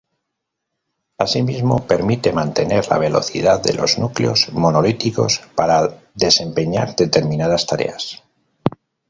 Asimismo, permite mantener la velocidad de los núcleos monolíticos para desempeñar determinadas tareas.